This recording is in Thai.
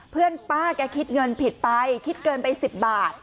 เพื่อนป้าแกคิดเงินผิดไปคิดเกินไป๑๐บาท